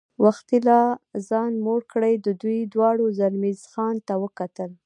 وختي لا ځان موړ کړی، دوی دواړو زلمی خان ته وکتل.